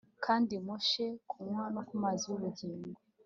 Kandi mushe kunywa no kumazi y’ubugingo